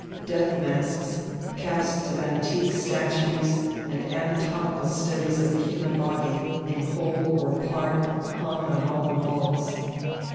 Death masks, casts of antique statues, and anatomical studies of the human body, in whole or part, hung on all the walls.